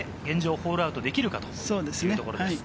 ホールアウトできるかというところです。